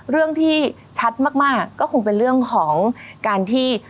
เรื่องที่ชัดมากก็คงเป็นเรื่องของการที่